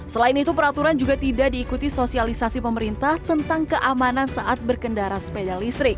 selain itu peraturan juga tidak diikuti sosialisasi pemerintah tentang keamanan saat berkendara sepeda listrik